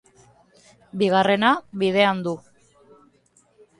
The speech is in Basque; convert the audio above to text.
Bigarrena, bidean du.